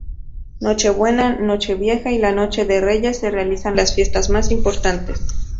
Nochebuena, Nochevieja y la Noche de Reyes se realizan las fiestas más importantes.